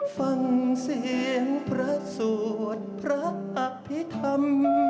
ฟังเสียงพระสวดพระอภิษฐรรม